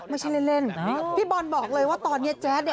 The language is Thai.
ไม่ใช่เล่นพี่บอลบอกเลยว่าตอนนี้แจ๊ดเนี่ย